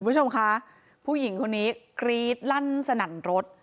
คุณผู้ชมคะผู้หญิงคนนี้กรี๊ดลั่นสนั่นรถ